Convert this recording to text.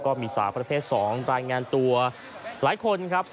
ก็มีสาวประเภท๒รายงานตัวหลายคนครับ